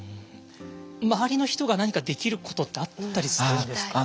周りの人が何かできることってあったりするんですか？